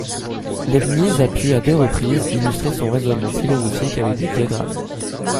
Leibniz a pu à deux reprises illustrer son raisonnement philosophique avec des diagrammes.